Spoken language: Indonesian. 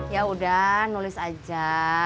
ya udah nulis aja